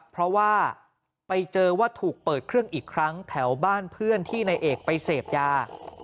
เพราะว่าไปเจอว่าถูกเปิดเครื่องอีกครั้งแถวบ้านเพื่อนที่นายเอกไปเสพยา